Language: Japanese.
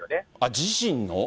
自身の？